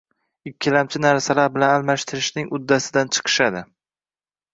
ikkilamchi narsalar bilan almashtirishning uddasidan chiqishadi